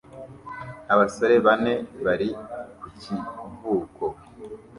Abasore bane bari ku kivuko